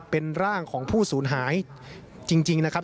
เป็นร่างของผู้สูญหายจริงนะครับ